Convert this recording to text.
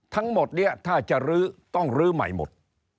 ทั้งหมดนี้ถ้าจะลื้อต้องลื้อใหม่หมด